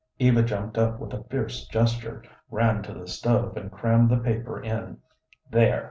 Eva jumped up with a fierce gesture, ran to the stove, and crammed the paper in. "There!"